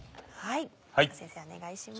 先生お願いします。